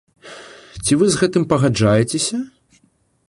Ці вы з гэтым пагаджаецеся?